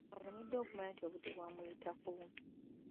Alemeddwa okumanya nti obudde bwamuyitako.